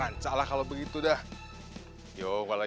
ada apaan nih kak